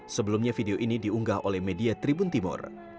sebelumnya video ini diunggah oleh media tribun timur